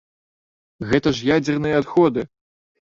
Гэта ж ядзерныя адходы!